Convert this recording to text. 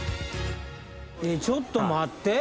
ちょっと待って。